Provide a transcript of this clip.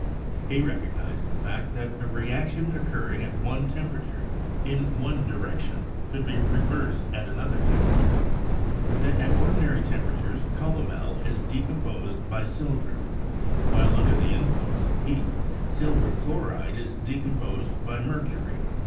He recognised the fact that a reaction occurring at one temperature in one direc tion could be reversed at another temperature; that at or dinary temperatures calomel is decomposed by silver, while under the influence of heat silver chloride is de composed by mercury.